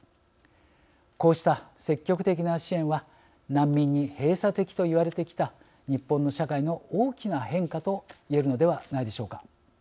こうした積極的な支援は難民に閉鎖的と言われてきた日本の社会の大きな変化と言えるのではないでしょうか。